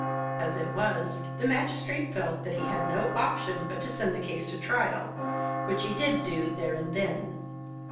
As it was, the magistrate felt that he had no option but to send the case to trial; which he did do there and then.